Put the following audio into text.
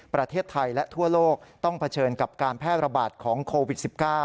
ประเทศไทยและทั่วโลกต้องเผชิญกับการแพร่ระบาดของโควิด๑๙